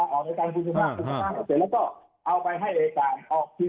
ออกอายการภูมิมากแล้วก็เอาไปให้อายการออกทีวีให้คนมาทั้งเมือง